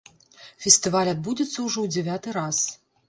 Фестываль адбудзецца ўжо ў дзявяты раз.